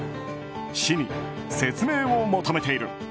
市に説明を求めている。